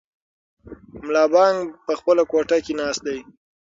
ملا بانګ په خپله کوټه کې ناست دی.